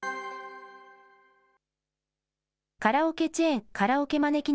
カラオケチェーン、カラオケまねきね